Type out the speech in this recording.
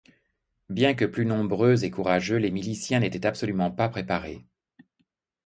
Bien que plus nombreux et courageux, les miliciens n'étaient absolument pas préparés.